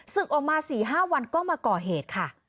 ออกมา๔๕วันก็มาก่อเหตุค่ะ